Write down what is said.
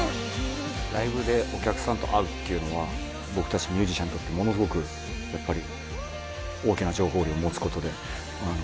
ライブでお客さんと会うっていうのは僕たちミュージシャンにとってものすごくやっぱり。